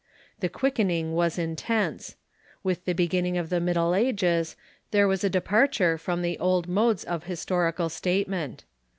The quicken ing Avas intense. With the beginning of the Middle Ages there was a departure from the old modes of historical state ment.